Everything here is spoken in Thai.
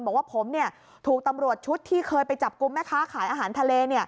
บอกว่าผมถูกตำรวจชุดที่เคยไปจับกลุ่มแม่ค้าขายอาหารทะเล